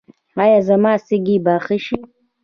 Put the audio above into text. ایا زما سږي به ښه شي؟